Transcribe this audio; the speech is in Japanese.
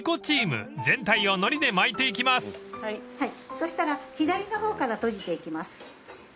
そしたら左の方から閉じていきます。